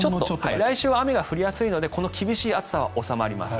来週は雨が降りやすいのでこの厳しい暑さは収まります。